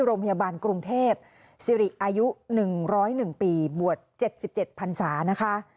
โรงพยาบาลกรุงเทพสิริอายุ๑๐๑ปีบวช๗๗พันศานะคะ